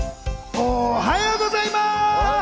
おはようございます！